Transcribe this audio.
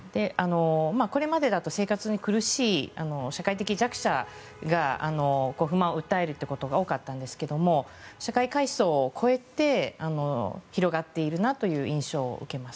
これまでだと生活に苦しい社会的弱者が不満を訴えるということが多かったんですが社会階層を超えて広がっているなという印象を受けます。